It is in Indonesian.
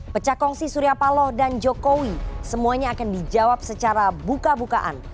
pecahkongsi surya palo dan jokowi semuanya akan dijawab secara buka bukaan